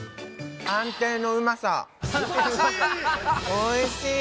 おいしい！